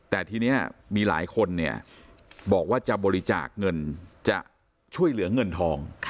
แต่ทีนี้มีหลายคนเนี่ยบอกว่าจะบริจาคเงินจะช่วยเหลือเงินทอง